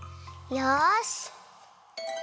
よし！